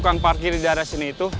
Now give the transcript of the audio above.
pengen lihat di bawah nih now